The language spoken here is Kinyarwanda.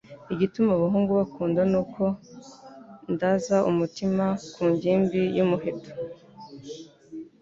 Igituma abahungu bankunda nuko ndaza umutima ku ngimbi y'umuheto